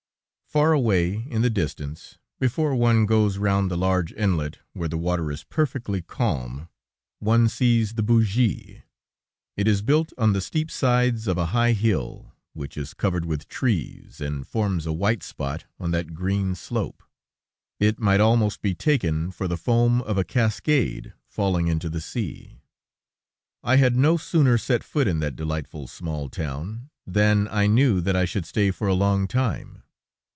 Far away in the distance, before one goes round the large inlet where the water is perfectly calm, one sees the Bougie. It is built on the steep sides of a high hill, which is covered with trees, and forms a white spot on that green slope; it might almost be taken for the foam of a cascade, falling into the sea. I had no sooner set foot in that delightful, small town, than I knew that I should stay for a long time.